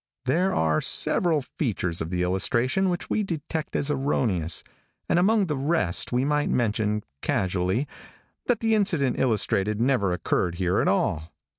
There are several features of the illustration which we detect as erroneous, and among the rest we might mention, casually, that the incident illustrated never occurred here at all.